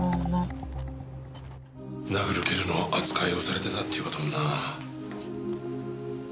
殴る蹴るの扱いをされてたっていう事もな。